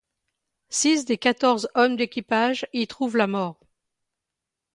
Six des quatorze hommes d'équipage y trouvent la mort.